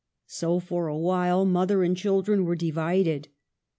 So, for a while, mother and children were divided.